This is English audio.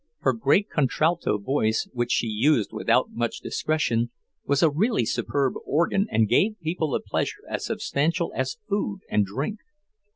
Her great contralto voice, which she used without much discretion, was a really superb organ and gave people a pleasure as substantial as food and drink.